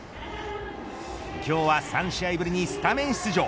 今日は３試合ぶりにスタメン出場。